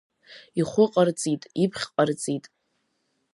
Ихәы ҟарҵит, иԥхь ҟарҵит.